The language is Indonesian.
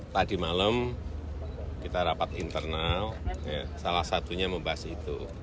tadi malam kita rapat internal salah satunya membahas itu